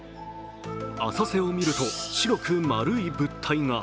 浅瀬を見ると白く丸い物体が。